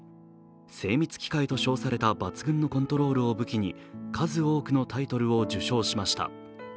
精密機械と称された抜群のコントロールを武器に数多くのタイトルを受賞しました。